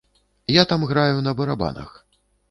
Я там граю на барабанах.